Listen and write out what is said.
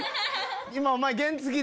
今お前。